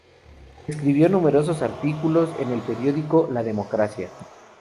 Escribió numerosos artículos en el periódico "La Democracia".